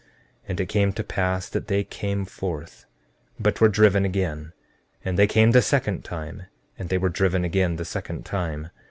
14:29 And it came to pass that they came forth, but were driven again; and they came the second time, and they were driven again the second time.